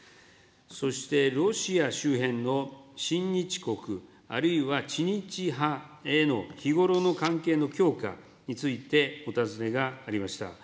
そして、ロシア周辺の親日国、あるいは知日派への日頃の関係の強化についてお尋ねがありました。